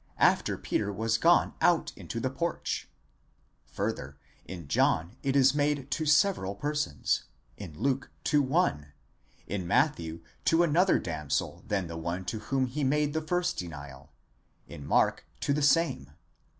after Peter was gone out into the forch, πυλὼν, προαύλιον ; further, in John it is made to several persons; in Luke, to one; in Matthew to another damsel than the one to whom he made the first denial; in Mark, to the same.